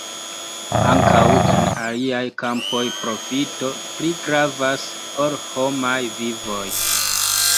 Ankaŭ en aliaj kampoj profito pli gravas ol homaj vivoj.